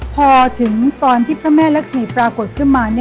พอถึงตอนที่พระแม่รักษีปรากฏขึ้นมา